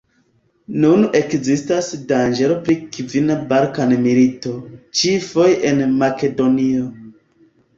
Nun ekzistas danĝero pri kvina Balkan-milito, ĉi-foje en Makedonio.